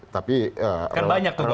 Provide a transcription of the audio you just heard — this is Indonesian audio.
tapi kan banyak tuh